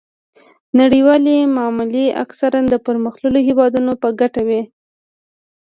نړیوالې معاملې اکثراً د پرمختللو هیوادونو په ګټه وي